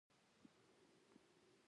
دوی کلا او جايداد يواځې نه شوی پرېښودلای.